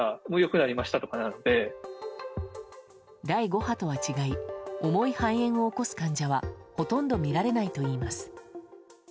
第５波とは違い重い肺炎を起こす患者はほとんど見られないといいます。